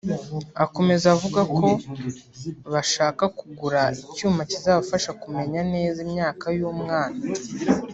Akomeza avuga ko bashaka kugura icyuma kizabafasha kumenya neza imyaka y’umwana